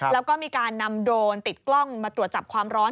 แล้วก็มีการนำโดรนติดกล้องมาตรวจจับความร้อน